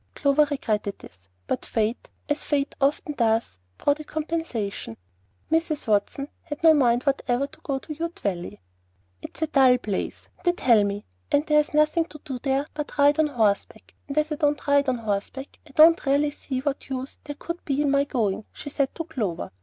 Clover regretted this; but Fate, as Fate often does, brought a compensation. Mrs. Watson had no mind whatever for the Ute Valley. "It's a dull place, they tell me, and there's nothing to do there but ride on horseback, and as I don't ride on horseback, I really don't see what use there would be in my going," she said to Clover.